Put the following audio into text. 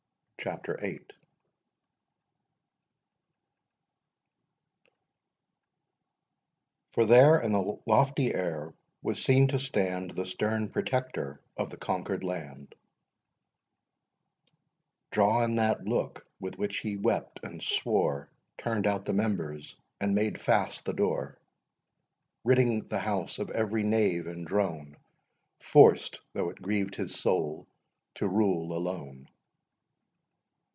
CHAPTER THE EIGHTH. For there in lofty air was seen to stand The stern Protector of the conquer'd land; Draw in that look with which he wept and swore, Turn'd out the members and made fast the door, Ridding the house of every knave and drone, Forced—though it grieved his soul—to rule alone.